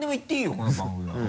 この番組は。